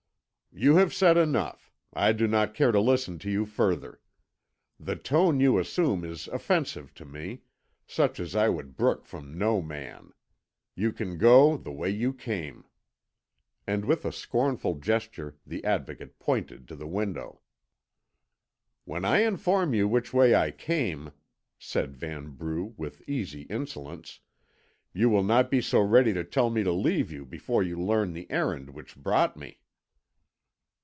"You have said enough. I do not care to listen to you further. The tone you assume is offensive to me such as I would brook from no man. You can go the way you came." And with a scornful gesture the Advocate pointed to the window. "When I inform you which way I came," said Vanbrugh, with easy insolence, "you will not be so ready to tell me to leave you before you learn the errand which brought me."